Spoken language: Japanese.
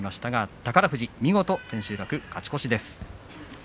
宝富士見事千秋楽勝ち越しです。